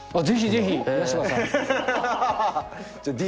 ぜひいらしてください。